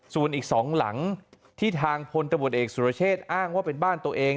ส่วนอีก๒หลังที่ทางพลตำรวจเอกสุรเชษฐ์อ้างว่าเป็นบ้านตัวเอง